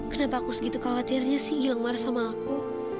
kenapa aku segitu khawatirnya sih hilang marah sama aku